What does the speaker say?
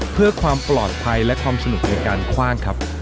เพื่อความปลอดภัยและความสนุกในการคว่างครับ